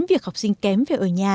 việc học sinh kém về ở nhà